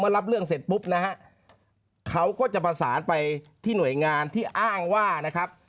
รับเรื่องเสร็จปุ๊บนะฮะเขาก็จะประสานไปที่หน่วยงานที่อ้างว่านะครับ